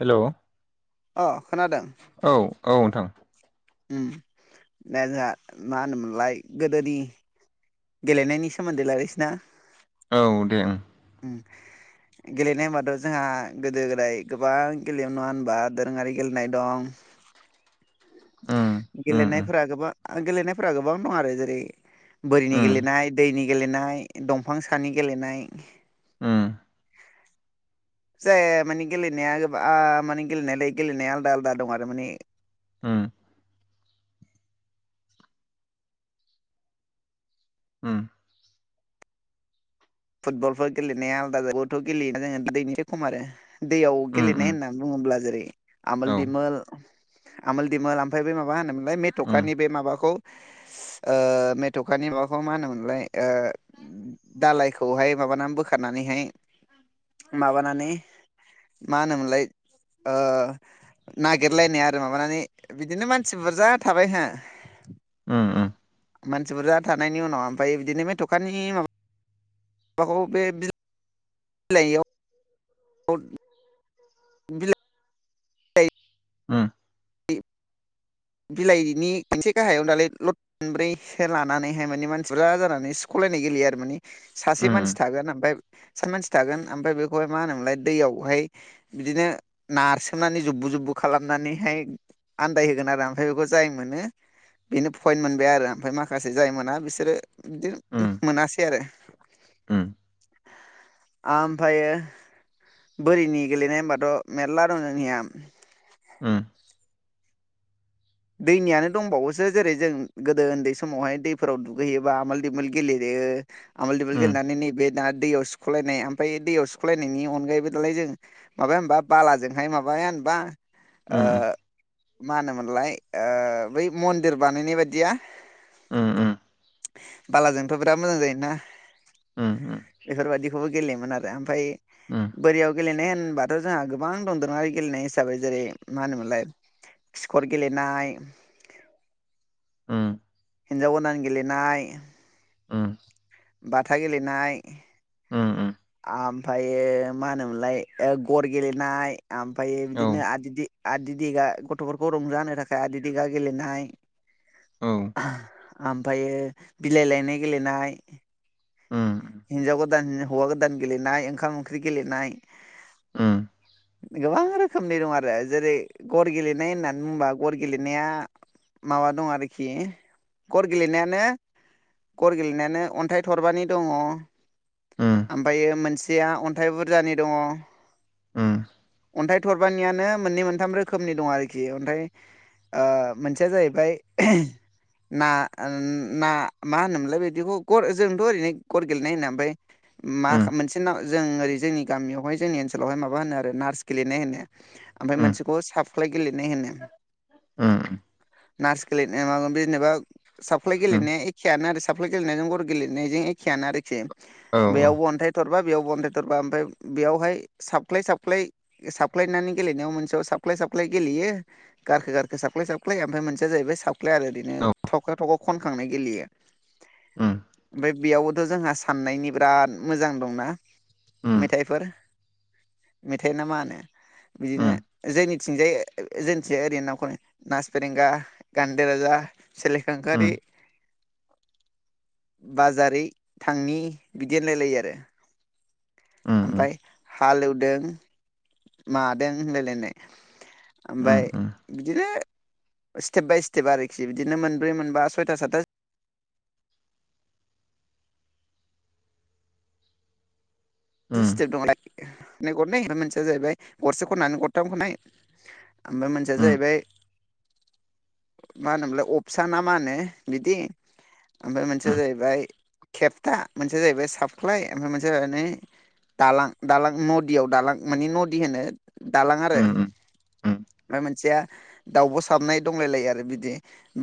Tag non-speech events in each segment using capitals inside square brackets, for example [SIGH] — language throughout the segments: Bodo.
हेलौ अ खोनादों औ औ नोंथां उम दा जाहा मा होनोमोनलाय गोदोनि गेलेनायनि सोमोन्दै लायरायसै ना औ दे उम उम गेलेनाय होनबाथ' जोंहा गोदो गोदाय गोबां गेलेयोमोन नङा होनबा दोरोङारि गेलेनाय दं [UNINTELLIGIBLE] उम उम गेलेनायफोरा गोबा गेलेनायफोरा गोबां दं आरो जेरै बोरिनि उम गेलेनाय, दैनि गेलेनाय, दंफां सानि गेलेनाय उम से मानि गेलेनाया गोबा आ मानि गेलेनायालाय गेलेनाया आलदा आलदा दं आरो माने उम उम फुटबलफोर गेलेनाया आलादा जायो [UNINTELLIGIBLE] खम आरो दैयाव उम उम गेलेनाय उम होननानै बुङोब्ला जेरै आमोल औ दिमोल आमोल दिमोल आमफाय बे माबा होनोमोनलाय उम मेथ'कानि बे माबाखौ ओ मेथ'खानि माबाखौ मा होनोमोनलाय ओ दालाय खौहाय माबानानै बोखारनानैहाय माबानानै मा होनोमोनलाय ओ नागिरलायनाय आरो माबानानै बिदिनो मानसि बुरजा थाबायहा उम उम मानसि बुरजा थानायनि उनाव ओमफाय बिदिनो मेथ'कानि माबा बाखौ बे [UNINTELLIGIBLE] [UNINTELLIGIBLE] [INAUDIBLE] [UNINTELLIGIBLE] बिला [UNINTELLIGIBLE] उम [UNINTELLIGIBLE] बिलाइनि मोनसे गाहायाव दालाय ल' मोनब्रैसो लानानैहाय माने मानसि बुरजा जानानै सिख'लायनाय गेलेयो आरो माने सासे उम मानसि थागोन ओमफाय सा मानसि थागोन ओमफाय बेखौहाय मा होनोमोनलाय दैयावहाय बिदिनो नारसोमनानै जुब्बु जुब्बु खालामनानैहाय आन्दायहोगोन आरो आ [UNINTELLIGIBLE] जाय मोनो बेनो फइन्ट मोनबाय आरो ओमफाय माखासे जाय मोना बिसोरो बिदिनो मोनासै आरो उम आमफायो बोरिनि गेलेनाय होमबाथ' मेरला दं जोंनिया उम दैनियानो दंबावोसो जेरै जों गोदो ओन्दै समावहाय दैफोराव दुगैयोबा आमोल दिमोल गेलेयो आमोल दिमोल उम गेलेनानै नैबे दा दैआव सिख'लायनाय ओमफाय दैयाव [UNINTELLIGIBLE] ख'लाय नोंनि अनगायैबो दालाय जों माबाया होमबा बालाजोंहाय माबाया होमबा उम ओ मा होनोमोनलाय ओ बै मन्दिर बानायनाय बायदिया उम उम बालाजोंथ' बिराद मोजां जायोना एफोर बायदि खौबो गेलेयोमोन आरो ओमफाय बोरियाव गेलेनाय होनबाथ' जोंहा गोबां दं दोरोङारि गेलेनाय हिसाबै जेरै मा होनोमोनलाय खिखर गेलेनाय उम हिनजाव गोनां गेलेनाय उम बाथा गेलेनाय उम उम आमफायो मा होनोमोनलाय ओ गर गेलेनाय आमफायो औ बिदिनो आदिदि आदि दिगा गथ'फोरखौ रंज होनो थाखाय आदि दिगा गेलेनाय। औ आमफायो बिलाय लायनाय गेलेनाय उम हिन्जाव गोदान हौवा गोदान गेलेनाय ओंखाम ओंख्रि गेलेनाय। उम गोबां रोखोमनि दं आरो जेरै गर गेलेनाय होननानै बुंबा गर गेलेनाया माबा दं आरोखि गर गेलेनायानो गर गेलेनायानो अन्थाइ थरबानि दङ। उम उम आमफायो मोनसेया अन्थाइ बुरजानि दङ। अन्थाइ थरबानियानो मोननै मोनथाम रोखोमनि दं आरोखि अन्थाइ आ मोनसेया जाहैबाय ना ओ ना मा होनोमोनलाय बिदिखौ गर जोंथ' ओरैनो गर गेलेनाय होनो ओमफाय मा मोनसे सिनाव जों ओरै जोंनि गामियावहाय जोंनि ओनसोलावहाय माबा होनो आरो नार्स गेलेनाय होनो। ओमफाय मोनसेखौ साफख्लाय गेलेनाय होनो। उम नार्स गेलेनाय माबा जेनेबा साफखलाय गेलेनाया उम एखेयानो आरो साफखलाय गेलेनायजों गर' गेलेनायजों एख खेयानो आरोखि औ बेयावबो अन्थाय थरबा बेयावबो अन्थाइ थरबा ओमफाय बेयावहाय सफख्लाय सफख्लाय ओ साप्लायनानै गेलेनायाव मोनसेयाव साप्लाय साप्लाय गेलेयो। गारखो गारखो सापखलाय सापखलाय ओमफ्राय मोनसेया जाहैबाय साव ख्लाय आरो इदिनो औ थख' थख' खनखांनाय गेलेयो ओमफाय बेयावबो थ' जोंहा साननायनि बिराद मोजां दंना उम उम मेथाइफोर मेथायना मा होनो उम उम बिदिनो उम जोंनिथिंजाय जोंनिथिंजाय ओरैनो ना खनाय नास फेरेंगा गान्दौला, सेलेखांखारि, बाजारि थांनि बिदि होनलायलायो आरो। उम उम उम ओमफाय हालौदों मादों होनलाय लायनाय आमफाय उम बिदिनो सिटेप बाय सिटेप आरोखि बिदिनो मोनब्रै मोनबा सयथा, सातथा से उम सिटेप दंलाय नै गरनै फाय मोनसेया जाहैबाय गरसे खननानै गरथाम खननाय आमफाय मोनसेया जाहैबाय मा होनोमलाय अपसाना मा होनो बिदि आमफाय मोनसेया उम जाहैबाय खेबथा मोनसेया जाहैबाय सफख्लाय ओमफाय मोनसेया जा [UNINTELLIGIBLE] नै दालां दालां नदियाव दालां माने नदि होनो दालां आरो फाय मोनसेया दाउब साबनाय दंलाय लायो आरो बिदि।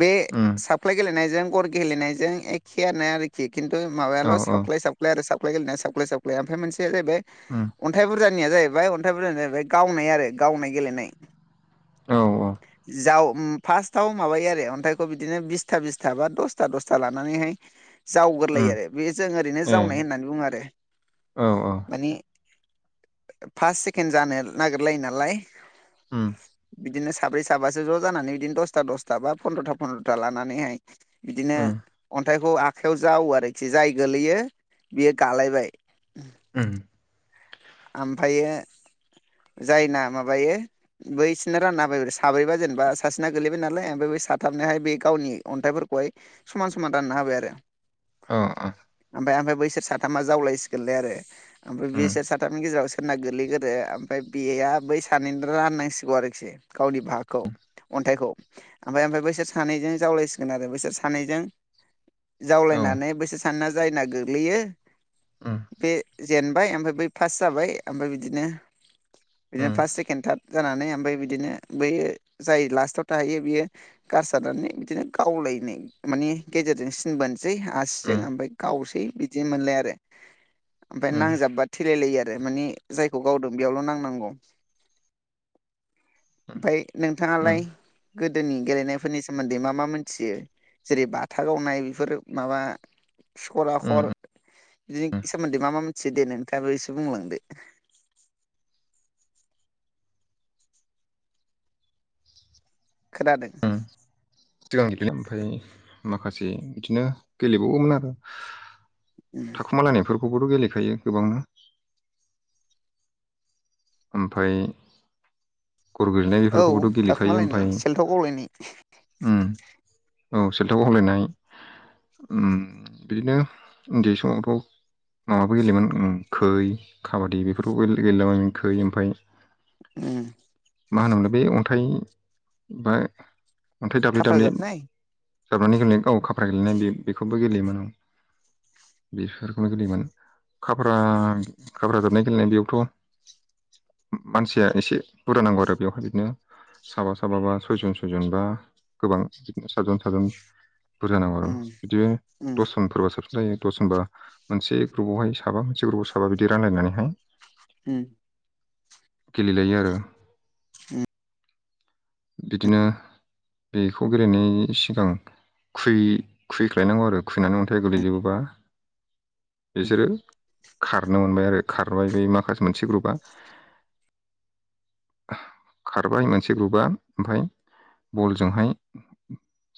बे उम साफखलाय गेलेनायजों गर गेलेनायजों एखेयानो आरो। खिन्थु औ माबायाल' औ सा्लाइ साप्लाय आरो सा्लाइ गेलेनाया सा्लइ साप्लइ ओमफ्राय मोनसे जाहैबाय उम अन्थाइ बुरजानिया जाहैबाय अन्थाइ बुरजानि जाहैबाय गावनाय आरो गावनाय गेलेनाय औ जाव फार्स्टआव माबायो आरो अन्थाइखौ बिदिनो बिसथा बिसथा बा दसथा दसथा लानानैहाय जावगोरलायो उम आरो बे जों ओरैनो ए जावनाय होननानै बुङो आरो औ औ माने फास र्सेकेणड जानो नागिरलायो नालाय उम बिदिनो साब्रै साबासो ज' जानानै बिदिनो दसथा दसथा बा पन्द्रथा फन्द्रथा लानानैहाय बिदिनो उम अन्थाइखौ आखायाव जावो आरोखि जाय गोलैयो बियो गालायबाय उम ओमफ्र जायना माबायो। बैसोरनो राननााय साब्रैबा जेनेबा सासेना गोगलैबाय नालाय ओमफ्राय बे साथाबनोहाय बे गावनि अन्थाइफोरखौहाय समान समान रानना होबाय आरो। औ औ ओमफफ्राय ओमफ्राय बैसोर साथामा जावलायसिगोनलै आरो ओमफ्राय उम बिसोर साथाम सथामनि गेजेराव सोरना गोगलैग्रो ओमफ्राय बेया बै सानैनिनो राननांसिगौ आरोखि गावनि भाहाखौ अन्थाइखौ ओमफ्राय ओमफ्राय बैसोर सानैजों जावलायसिगोन आरो बोसोर सानैजों औ उम जावलायनानै बैसोर साननैना जायना गोग्लैयो उम बे जेनबाय ओमफ्राय बै फास जाबाय ओमफ्राय बिदिनो। उम बिदिनो फार्स्ट सेकेन्ड थार्ड जानानै ओमफ्राय बिदिनो बैयो जाय लास्टआव थाहैयो बियो गारसारानानै बिदिनो गावलायनाय। मानि गेजेरजों सिनबोनोसै आसिजों उम ओमफ्राय गावसै बिदि मोनलाय आरो ओमफफ्राय नांजाबबा थलायलायो आरो मानिे जायखौ गावदों बेयावल' नांनांगौ। ओमफ्राय उम नोंथाङालाय। गोदोनि गेलेनायफोरनि सोमोन्दै मा मा मोनथियो। जेरै बाथा गावनाय बेफोर माबा। सखरा उम हर सिगां बिदिनो सोमोन्दै मा मा मोनसे देो नोंथाङाबो एसे बुंलांदो। खोनादों उ सिगां गेलेदों ओमफ्राय माखासे बिदिनो गेलेबावोमोन आरो थाखुमालायनायफोरखौबोथ' गेलेखायो गोबांनो। ओमफाय गर गोलैनाय औ बेफोरखौबोथ' गेलेखायो दाखुमालायनाय ओमफाय सेलथाव गावलायनाय औ सेल्थाव खावलायनाय बिदिनो उन्दै समावथाव न'बो गेलेयोमोन खै काबादि बेफोरखौ गेलेयबाय खै ओमफफ्राय उ मा होनोमोन बे अन्थाइ बा अन्थाइ दाब्ले खाफ्रा दाब्ले जाबनाय जाबनानै गेलेनाय गाव खाफ्रा गेलेनाय बे बेखौबो गेलेयोमोन बेफोरखौनो गोेलैयोमोन खाब्रा खााब्रा जाबनाय गेलेनाय बेयावथ' मानसिया एसे बुरजा नांगौ आरो बेवहाय बिदिनो सााबा सो साबाबा सयजन सयजन बा गोबां बिदिनो साटजन - साटजन बुरजा नांगौ आरो उम बिदि उम दसजन फोरबा सो जायो दस होननबा मोनसे ग्रुपआवहाय साबा मोनसे ग्रुपाव साबा बिदि रानलायनानैहाय। उम गेलेजायो आरो बिदिनो बेखौ गेलेनायनि सिगां। खुै खुैख्लायनांगौ आरो खुैनानै अन्थाइ गोगलैजोबोबा बिसोरो खारनो मोनबाय आरो खारबाय बे माखासे मोनसे ग्रुपआ खारबाय मोनसे ग्रुबा ओमफफ्राय बलजोंहाय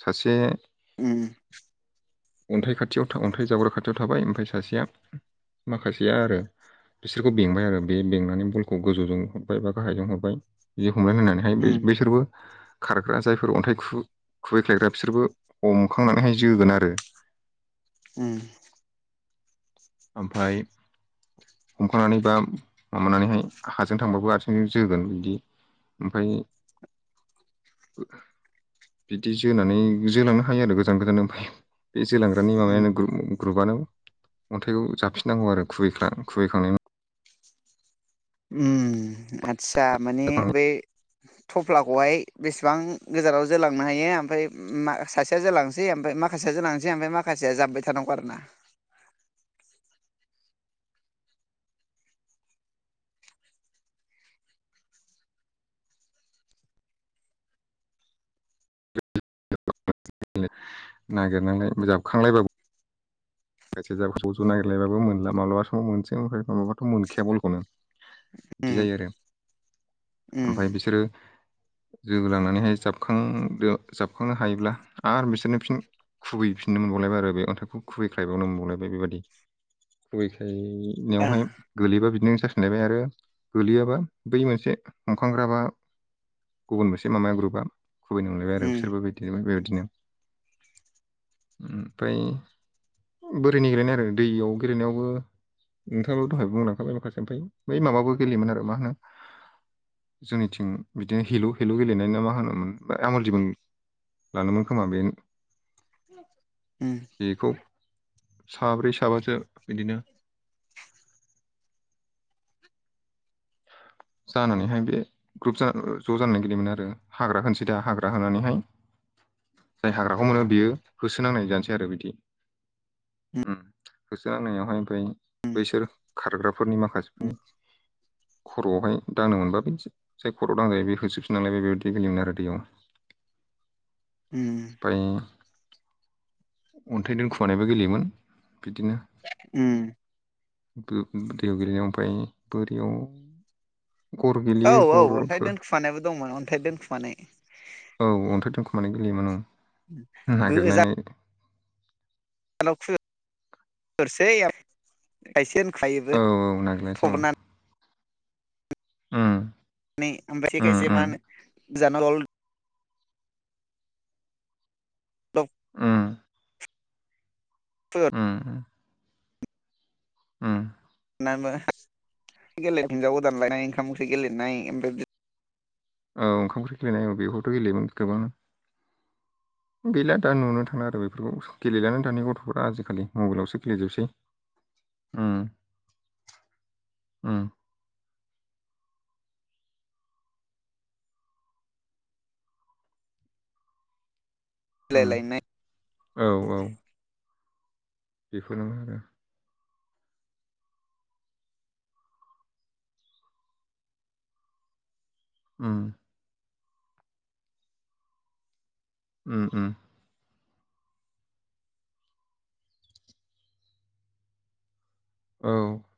सासे उ अन्थाइ खाथियाव थ अन्थाइ जावग्रा खाथियाव थाबाय ओमफ्राय सासेया माखासेया आरो बिसोरखौ बेंबाय आरो बे बेंनानै बलखौ गोजौजों हरबाय बा गाहायजों हरबाय बिदि हमलनानै होननानै उम बेसोरबो खारग्रा जायफोर अन्थाइ खुबैख्लायग्रा बिसोरबो हमखांनानैहाय जोगोन आरो उम ओमफ्राय हमखानानै बा माबानानैहाय हाजों थांबाबो आथिंजों जोगोन बिदि। ओमफाय बिदि जोनानै जोलांनो हायो आरो गोजान गोजान ओमफाय बे जोलांग्रानि उम माबायानो ग्र ग्रुपआनो अन्थाइखौ जाफिननांगौ आरो खुबैखा खुबैखांनायनि उनाव उम आदसा माने बै थफ्लाखौहाय बेसेबां गोजानाव जोलांनो हायो ओमफ्राय मा सासेया जोलांसै ओमफ्राय मा माखासेया जोलांसै ओमफ्राय माखासेया जाबबाय थानांगौ आरोना [UNINTELLIGIBLE] नागिरनानै जाबखांलायबाबो जायसे जाबाखौ ज' नागिरलायबाबो मोनला माब्लाबा समाव मोनसै ओमफ्राय माब्लाबाथ' मोनखायानो बलखौनो बिदि जायो आरो उम उम ओमफाय बिसोरो जोहोलांनानैहाय जाबखांदो जाबखांनो हायोब्ला आरो बिसोरनो फिन खुबैफिननो मोनबावलायबाय आरो बे अन्थाइखौ खुबैख्रायबावनो मोनबावलायबाय बेबायदि खुबै ओ खायनायावहाय गोलैबा बिदिनो जाफिनलायबाय आरो गोलैयाबा बै मोनसे हमखांग्रा बा गुबुन मोनसे माबाया ग्रुपआ खुबैनो मोनबाय आरो उम बिसोरबो बिदिनो बेबायदिनो ओमफ्राय बोरिनि गेलेनाय आरो दैयाव गेलेनायावबो नोंथाङाबो दहाय बुंलांखाबाय माखासे ओमफ्राय बै माबाबो गेलेयोमोन आरो मा होनो जोंनिथिं बिदिनो हेलु हेलु गेलेनाय ना मा होनोमोन बा आमाल जुमाइ लाङोमोन खोमा बेनो उम बेखौ साब्रै साबासो बिदिनो जानानैहाय बे ग्रुप जा ज' जानो गेलेयोमोन आरो हाग्रा होनोसै दा हाग्रा होनानैहाय जाय हाग्राखौ मोनो बियो होसोनांनाय जानोसै आरो बिदि उम होसो नांनायावहाय ओमफ्राय उम बैसोर खारग्राफोरनि माखासेफोरनि खर'आवहाय दांनो मोनबा बिदि जाय खर'आव दांजायो बे होसोबफिन नांलाय बेबायदि गेलेयोमोन आरो दैयाव उम ओमफ्राय अन्थाइ दोनखुमानायबो गेलेयोमोन बिदिनो उम गो दैयाव गोेलेनायाव ओमफाय बेयाव औ औ अन्थाइ दोनखुमानायबो दंमोन अन्थाइ दोनखुमानाय औ अन्थाय दोनखुमानाय गेलेयोमोन ओं गोजानाव नागिरलायनाय औ नागिरलायसै औ [UNINTELLIGIBLE] उम उम उम [UNINTELLIGIBLE] दल ओम [UNINTELLIGIBLE] उम उम [UNINTELLIGIBLE] गेले हिनजाव गोदान लायनाय ओंखाम ओंख्रि गेलेनाय ओमफ्राय बि औ ओंखाम ओख्रि गेलेनाय बेखौथ' गेलेयोन गोबां [UNINTELLIGIBLE] गैला दा नुनो थांला आरो बेफोरखौ गेलेलानो दानि गथ'फोरा आजिखालि मबाइलावसो गेलेजोबसै उम [INAUDIBLE] उम बिलाय उम लायनाय औ औ बेफोरनो ओ उम उमहो औ